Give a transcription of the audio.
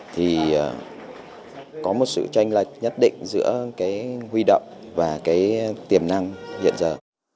thì có một sự tranh lệch nhất định giữa cái huy động và cái tiềm năng hiện giờ